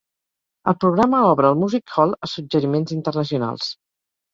El programa obre el music-hall a suggeriments internacionals.